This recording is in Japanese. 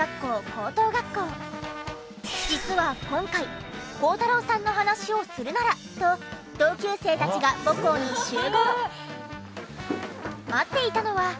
実は今回孝太郎さんの話をするならと同級生たちが母校に集合。